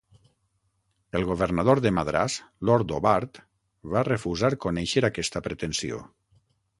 El governador de Madràs, Lord Hobart, va refusar reconèixer aquesta pretensió.